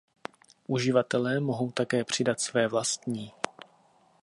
Uživatelé mohou také přidat své vlastní.